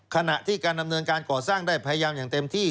ขณะที่การดำเนินการก่อสร้างได้พยายามอย่างเต็มที่